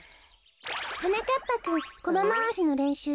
はなかっぱくんコマまわしのれんしゅうしないの？